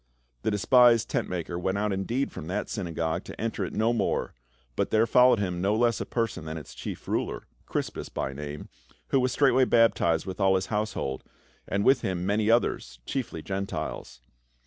The despised tent maker went out indeed from that synagogue to enter it no more, but there followed him no less a person than its chief ruler, Crispus by name, 346 PA UL. who was straightway baptized with all his household, and with him many others, chiefly Gentiles.